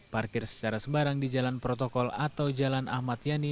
parkir secara sembarang di jalan protokol atau jalan ahmad yani